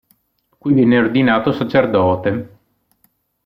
Qui venne ordinato sacerdote.